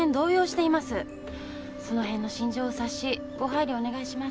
その辺の心情を察しご配慮お願いします。